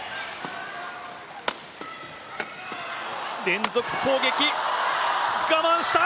連続攻撃、我慢した。